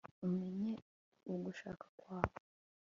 umenyeshe ugushaka kwawe